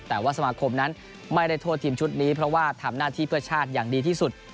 แต่ว่าสมาคมนั้นไม่ได้โทษทีมชุดนี้เพราะว่าทำหน้าที่เพื่อชาติอย่างดีที่สุด